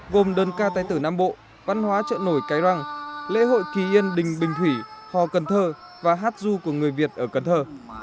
gồm đơn ca tài tử nam bộ văn hóa chợ nổi cái răng lễ hội kỳ yên đình bình thủy hò cần thơ và hát du của người việt ở cần thơ